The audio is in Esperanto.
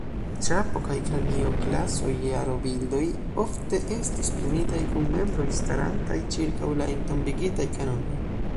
Ĉapo kaj Kranio-klaso-jarobildoj ofte estis prenitaj kun membroj starantaj ĉirkaŭ la entombigitaj kanonoj.